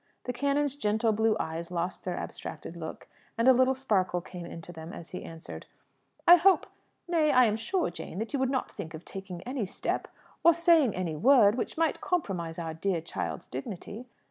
The canon's gentle blue eyes lost their abstracted look, and a little sparkle came into them as he answered, "I hope nay, I am sure Jane, that you would not think of taking any step, or saying any word, which might compromise our dear child's dignity.